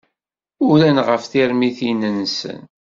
Uran ɣef termitin-nsen.